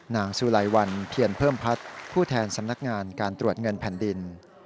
นางสุไลวันเพียรเพิ่มพัฒน์ผู้แทนสำนักงานการตรวจเงินแผ่นดิน